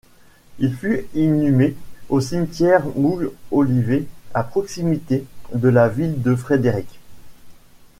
Il fut inhumé au cimetière Mount Olivet à proximité de la ville de Frederick.